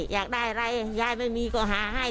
อยากได้อะไรยายไม่มีก็หาให้